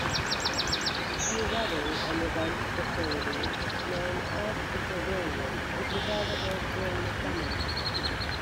A wedding and event facility known as "The Pavilion" is available during the summer.